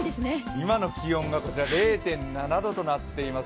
今の気温が０．７度となっています。